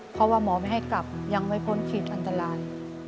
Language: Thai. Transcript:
เพราะว่าหมอไม่ให้กลับยังไม่พ้นขีดอันตราย